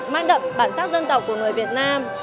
mang đậm bản sắc dân tộc của người việt nam